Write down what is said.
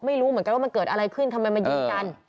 ไม่รู้เหมือนกันว่ามันเกิดอะไรขึ้นทำไมมายิงกัน